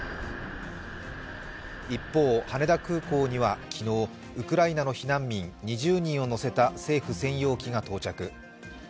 一方、羽田空港には昨日ウクライナの避難民２０人を乗せた政府専用機が到着。